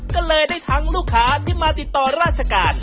ก็เลยได้ทั้งลูกค้าที่มาติดต่อราชการ